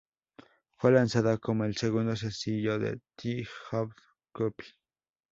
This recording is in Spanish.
Fue lanzada como el segundo sencillo de "The Odd Couple".